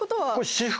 私服！